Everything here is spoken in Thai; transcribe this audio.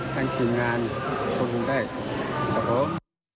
ทั้งทีมงานขอบคุณได้สวัสดีครับ